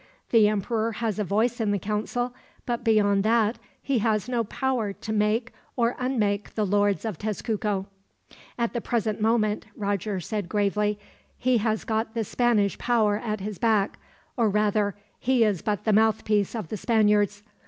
The emperor has a voice in the council, but beyond that he has no power to make or unmake the Lords of Tezcuco." "At the present moment," Roger said gravely; "he has got the Spanish power at his back; or rather, he is but the mouthpiece of the Spaniards.